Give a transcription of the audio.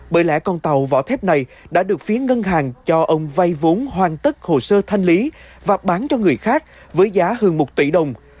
bởi lẽ con tàu vỏ thép này đã được phía ngân hàng cho ông vay vốn hoàn tất hồ sơ thanh lý và bán cho người khác với giá hơn một tỷ đồng